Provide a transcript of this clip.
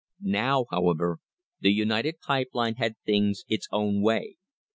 Now, however, the United Pipe Lines had things its own way.